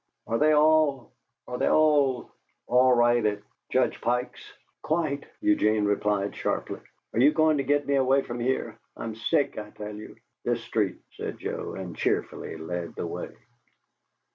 "Are they all are they all all right at at Judge Pike's?" "Quite!" Eugene replied, sharply. "Are you going to get me away from here? I'm sick, I tell you!" "This street," said Joe, and cheerfully led the way.